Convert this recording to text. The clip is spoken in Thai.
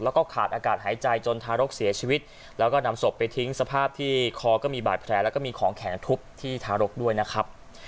แล้วก็ขาดอากาศหายใจจนทารกเสียชีวิตแล้วก็นำศพไปทิ้งสภาพที่คอก็มีบาดแผลแล้วก็มีของแข็งทุบที่ทารกด้วยนะครับ